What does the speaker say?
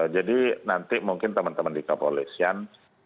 jadi nanti mungkin teman teman di kepolisian